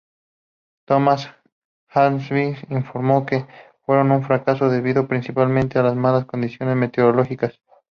Thomas Hornsby informó que fueron un fracaso, debido principalmente a las malas condiciones meteorológicas.